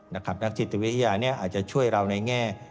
นักจิตวิทยานี้อาจจะช่วยเราในแง่